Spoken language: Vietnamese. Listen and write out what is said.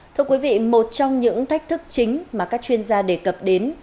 thưa quý vị một trong những thách thức chính mà các chuyên gia đề cập đến